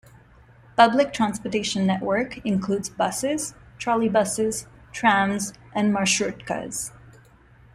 Public transportation network includes buses, trolleybuses, trams, and "marshrutkas".